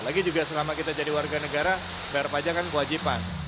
lagi juga selama kita jadi warga negara bayar pajak kan kewajiban